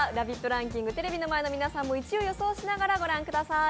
ランキング、テレビの前の皆さんも１位を予想しながらご覧ください。